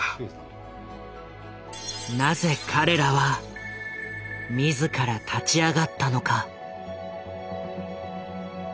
なぜ彼らは自ら立ち上がったのか。